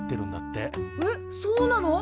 えっそうなの？